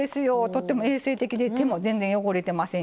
とっても衛生的で手も全然汚れてませんしね。